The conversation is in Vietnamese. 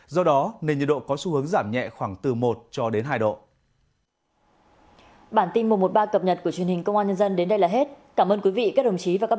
do đó nền nhiệt độ có xu hướng giảm nhẹ khoảng từ một cho đến hai độ